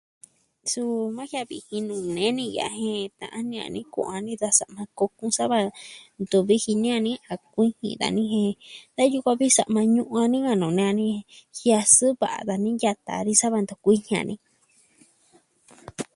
Suu najiavi jinu nee ni ya jen ta'an ini ni kuaan ni da sa'ma kokun sava ntu vijin ni a ni a kuijin dani jen yukuan vi sa'ama ñuu a ni ka nuu nee a ni. Jiasɨɨ va dani yata ni sava ntu kuii jin a ni.